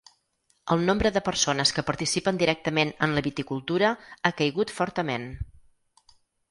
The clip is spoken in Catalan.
El nombre de persones que participen directament en la viticultura ha caigut fortament.